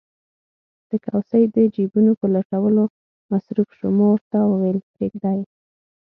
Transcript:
د کوسۍ د جېبونو په لټولو مصروف شو، ما ورته وویل: پرېږده یې.